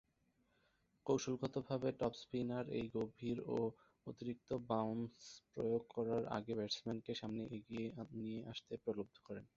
কৌশলগতভাবে top spinner এই গভীর ও অতিরিক্ত বাউন্স প্রয়োগ করার আগে ব্যাটসম্যানকে সামনে এগিয়ে নিয়ে আসতে প্রলুব্ধ করেন।